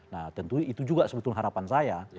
nah tentu itu juga sebetulnya harapan saya